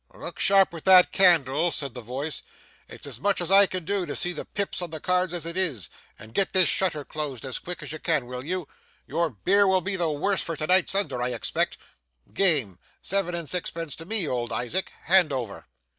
'Look sharp with that candle,' said the voice; 'it's as much as I can do to see the pips on the cards as it is; and get this shutter closed as quick as you can, will you? Your beer will be the worse for to night's thunder I expect. Game! Seven and sixpence to me, old Isaac. Hand over.